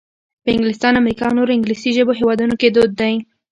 په انګلستان، امریکا او نورو انګلیسي ژبو هېوادونو کې دود دی.